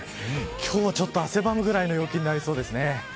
今日は、ちょっと汗ばむぐらいの陽気になりそうですね。